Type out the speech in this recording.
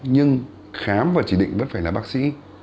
nhưng khám và chỉ định vẫn phải là bác sĩ